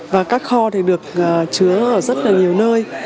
và các kho thì được chứa ở rất là nhiều nơi